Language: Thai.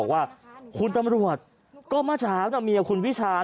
บอกว่าคุณตำรวจก็มาเช้านะเมียคุณวิชาญ